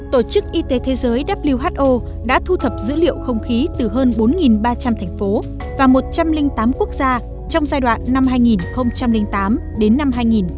tổ chức y tế thế giới who đã thu thập dữ liệu không khí từ hơn bốn ba trăm linh thành phố và một trăm linh tám quốc gia trong giai đoạn năm hai nghìn tám